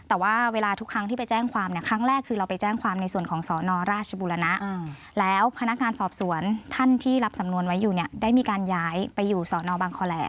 แต่ว่าเวลาทุกครั้งที่ไปแจ้งความเนี่ยครั้งแรกคือเราไปแจ้งความในส่วนของสนราชบุรณะแล้วพนักงานสอบสวนท่านที่รับสำนวนไว้อยู่เนี่ยได้มีการย้ายไปอยู่สอนอบังคอแหล่